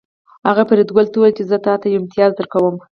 هغه فریدګل ته وویل چې زه تاته یو امتیاز درکوم